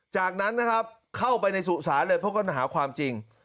จากนั้นนะครับเข้าไปในสุสานเลยเพื่อค้นหาความจริง